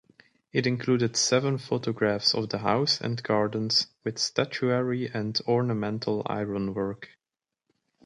It included seven photographs of the house and gardens with statuary and ornamental ironwork.